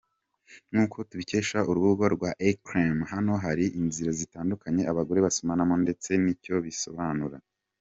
nkuko tubikesha urubuga rwa elcrema hano hari inzira zitandukanye abagore basomanamo ndetse nicyo bisobanura.